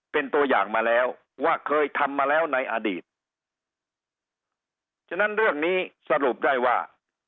เป็นตัวอย่างมาแล้วว่าเคยทำมาแล้วในอดีตฉะนั้นเรื่องนี้สรุปได้ว่า